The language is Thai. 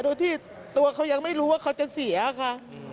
โดยที่ตัวเขายังไม่รู้ว่าเขาจะเสียค่ะ